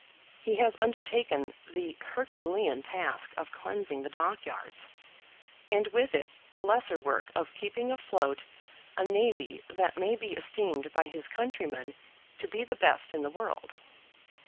He has undertaken the Herculean task of cleansing the dockyards, and with it the lesser work of keeping afloat a navy that may be esteemed by his countrymen to be the best in the world.